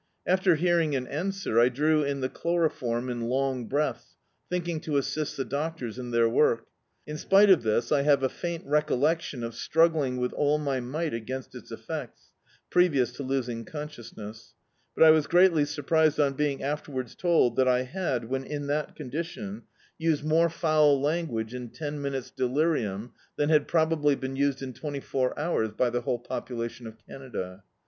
After hearing an answer, I drew in the chloroform in long breaths, thinking to assist the doctors in their work. In spite of this, I have a faint recollection of struggling with all my might against its effects, previous to losing consciousness; but I was greatly surprised on being afterwards told that I had, when in that condition, used more foul [»93] Dictzed by Google The Autobiography of a Super Tramp language in ten minutes' delirium than bad probably been used in twenty<four hours by the whole popula tion of Canada.